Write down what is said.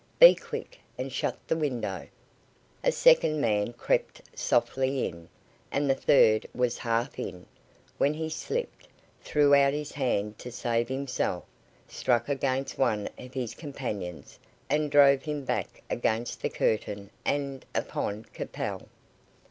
"Be quick, and shut the window." A second man crept softly in, and the third was half in, when he slipped, threw out his hand to save himself, struck against one of his companions and drove him back against the curtain and upon Capel.